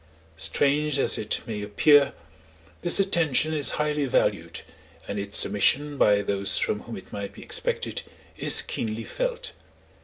Strange as it may appear, this attention is highly valued, and its omission by those from whom it might be expected is keenly felt.